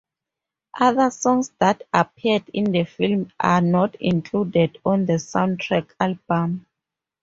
Other songs, that appeared in the film are not included on the soundtrack album.